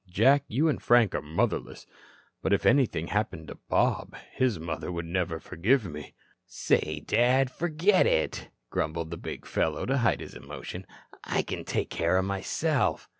Jack, you and Frank are motherless. But if anything happened to Bob his mother never would forgive me." "Say, Dad, forget it," grumbled the big fellow to hide his emotion. "I can take care of myself."